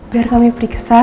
biar kami periksa